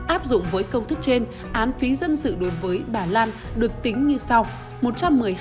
áp dụng với công thức trên án phí dân sự đối với bà lan được tính như sau